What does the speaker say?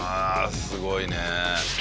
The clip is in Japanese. すごいね。